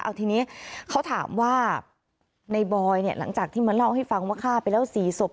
เอาทีนี้เขาถามว่าในบอยเนี่ยหลังจากที่มาเล่าให้ฟังว่าฆ่าไปแล้ว๔ศพ